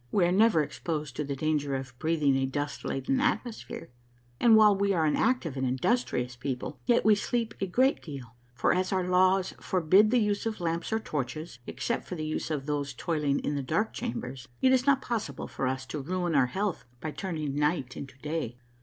We are never exposed to the danger of breathing a dust laden atmosphere, and while we are an active and industrious people, yet we sleep a great deal ; for, as our laws forbid the use of lamps or torches, except for the use of those toiling in the dark chambers, it is not possible for us to ruin our health by turning night into day.